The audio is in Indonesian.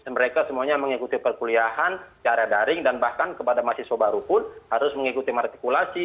mereka semuanya mengikuti perkuliahan secara daring dan bahkan kepada mahasiswa baru pun harus mengikuti martikulasi